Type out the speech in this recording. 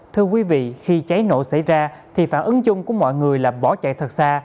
thưa quý vị khi cháy nổ xảy ra thì phản ứng chung của mọi người là bỏ chạy thật xa